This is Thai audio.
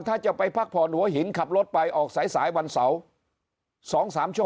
ถ้าจะไปพักผ่อนหัวหินขับรถไปออกสายวันเสาร์